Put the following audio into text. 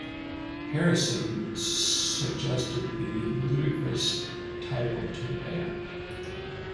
Harrison suggested the "ludicrous" title to the band.